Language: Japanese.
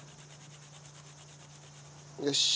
よし。